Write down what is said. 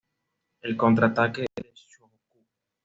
El contraataque de Shohoku!